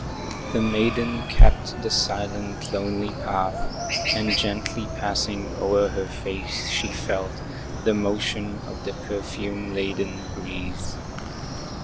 The maiden kept the silent, lonely path, And gently passing o'er her face, she felt The motion of the perfume laden breeze.